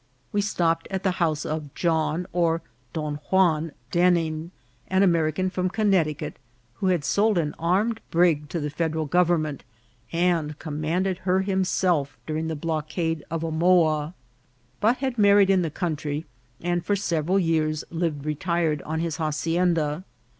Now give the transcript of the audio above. We stopped at the house of John, or Don Juan, Den ning, an American from Connecticut, who had sold an armed brig to the Federal Government, and command ed her himself during the blockade of Omoa, but had married in the country, and for several years lived re tired on his hacienda.